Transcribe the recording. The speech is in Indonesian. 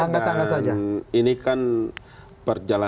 dan ini kan perjalanannya cukup panjang